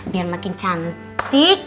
biar makin cantik